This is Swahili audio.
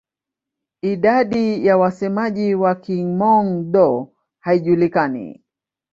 Idadi ya wasemaji wa Kihmong-Dô haijulikani.